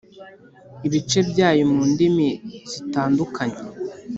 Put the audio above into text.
ibice byayo mu ndimi zitandukanye.